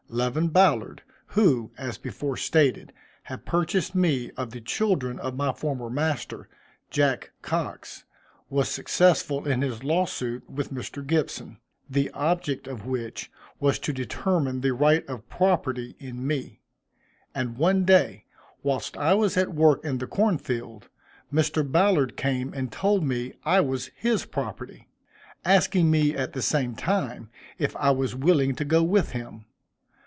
Levin Ballard, who, as before stated, had purchased me of the children of my former master, Jack Cox, was successful in his law suit with Mr. Gibson, the object of which was to determine the right of property in me; and one day, whilst I was at work in the corn field, Mr. Ballard came and told me I was his property; asking me at the same time if I was willing to go with him.